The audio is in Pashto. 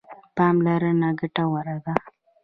پاملرنه ګټوره ده.